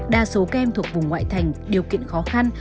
đa số các em thuộc vùng ngoại thành điều kiện khó khăn